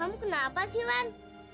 kamu kenapa sih lan